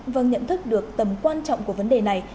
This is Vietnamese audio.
vâng nhận thức được tầm quan trọng của vấn đề này